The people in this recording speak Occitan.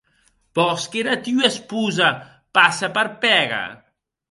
Vòs qu’era tua esposa passe per pèga?